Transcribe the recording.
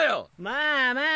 まあまあ。